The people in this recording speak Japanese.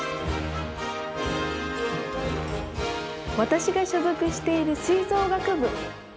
私が所属している吹奏楽部。